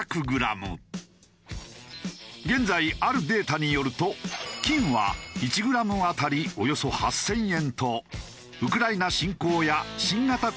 現在あるデータによると金は１グラム当たりおよそ８０００円とウクライナ侵攻や新型コロナなどの情勢不安